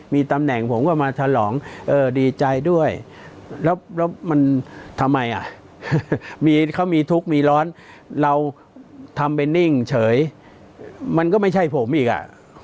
มีตำแหน่งผมก็มาฉลองเออดีใจด้วยแล้วมันทำไมอ่ะเขามีทุกข์มีร้อนเราทำไปนิ่งเฉยมันก็ไม่ใช่ผมอีกอ่ะ